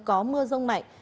có mưa rông mạnh